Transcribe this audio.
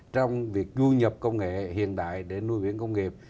trong việc du nhập công nghệ hiện đại để nuôi biển công nghiệp